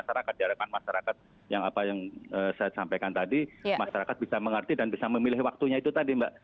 masyarakat di hadapan masyarakat yang apa yang saya sampaikan tadi masyarakat bisa mengerti dan bisa memilih waktunya itu tadi mbak